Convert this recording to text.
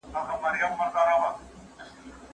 زه به سبا مړۍ خورم